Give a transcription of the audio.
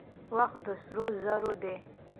وخت د سرو زرو دی.